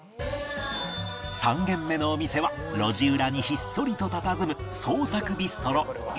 ３軒目のお店は路地裏にひっそりとたたずむ創作ビストロ ｉｉｉｉｏ